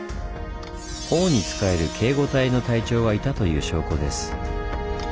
王に仕える警護隊の隊長がいたという証拠です。